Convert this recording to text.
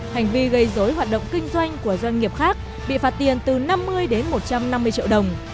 hành vi gây dối hoạt động kinh doanh của doanh nghiệp khác bị phạt tiền từ năm mươi đến một trăm năm mươi triệu đồng